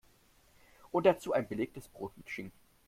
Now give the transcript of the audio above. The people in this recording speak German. Und dazu ein belegtes Brot mit Schinken.